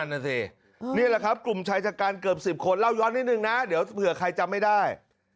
นั่นน่ะสินี่แหละครับกลุ่มชายจัดการเกือบ๑๐คนเล่าย้อนนิดนึงนะเดี๋ยวเผื่อใครจำไม่ได้